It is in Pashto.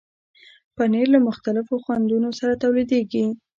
پنېر له مختلفو خوندونو سره تولیدېږي.